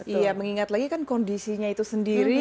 iya mengingat lagi kan kondisinya itu sendiri